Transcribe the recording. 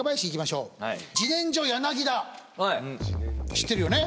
知ってるよね？